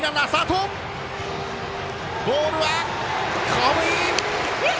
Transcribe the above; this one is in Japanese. ホームイン！